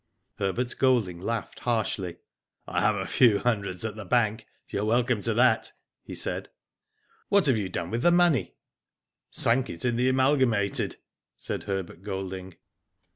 Herbert Golding laughed harshly. •* I have a few hundreds at the bank, you are welcome to that," he said. '* What have you done with the money ?"" Sunk it in the Amalgamated,'* said Herbert Golding.